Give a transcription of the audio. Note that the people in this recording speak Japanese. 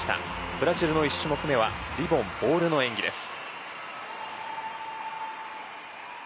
ブラジルの１種目めはリボン・ボールの演技です。